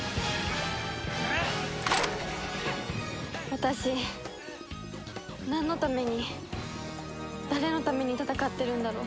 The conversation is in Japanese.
私なんのために誰のために戦ってるんだろう。